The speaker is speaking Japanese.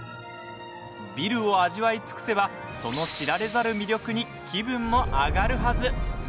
ビルを味わい尽くせばその知られざる魅力に気分もアガるはず！